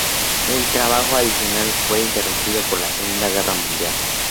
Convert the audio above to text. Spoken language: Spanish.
El trabajo adicional fue interrumpido por la Segunda Guerra Mundial.